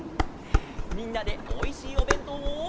みんなでおいしいおべんとうを。